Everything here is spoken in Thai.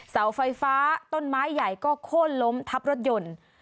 เสาไฟฟ้าต้นไม้ใหญ่ก็โค้นล้มทับรถยนต์